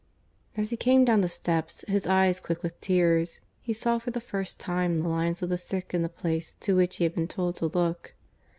... As he came down the steps, his eyes quick with tears, he saw for the first time the lines of the sick in the place to which he had been told to look.